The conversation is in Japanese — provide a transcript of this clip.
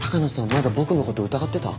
まだ僕のこと疑ってた？